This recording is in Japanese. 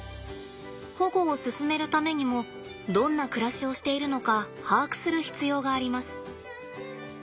保護を進めるためにもどんな暮らしをしているのか把握する必要があります。